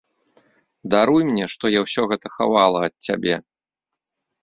Даруй мне, што я ўсё гэта хавала ад цябе.